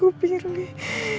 apa yang harus aku pilih